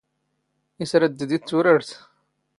ⵉⵙ ⵔⴰⴷ ⴷⵉⴷⵉ ⵜⴻⵜⵜⵓⵔⴰⵔⴷ?